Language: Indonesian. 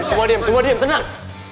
semua diem semua diem tenang